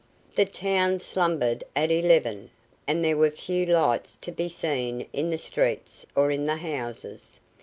The town slumbered at eleven, and there were few lights to be seen in the streets or in the houses.